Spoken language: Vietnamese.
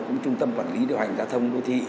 cũng trung tâm quản lý điều hành giao thông đô thị